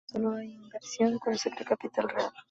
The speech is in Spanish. Solo hay inversión cuando se crea capital real.